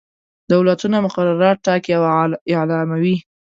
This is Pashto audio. دولتونه مقررات ټاکي او اعلاموي.